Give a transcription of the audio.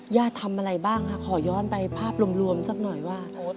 ทำอะไรบ้างคะขอย้อนไปภาพรวมสักหน่อยว่า